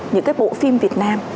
những cái bộ phim việt nam